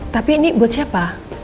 tapi ini buat siapa